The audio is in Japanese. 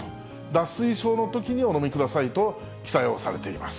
脱水症のときにお飲みくださいと、記載をされています。